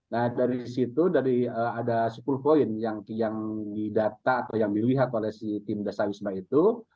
nah dari situ dari ada sepuluh poin yang didata atau yang dilihat oleh si tim dasar wisma itu